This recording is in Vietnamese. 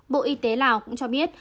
bộ y tế lào cũng cho biết